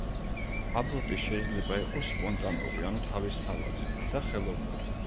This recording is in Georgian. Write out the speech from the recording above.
აბორტი შეიძლება იყოს სპონტანური ანუ თავისთავადი და ხელოვნური.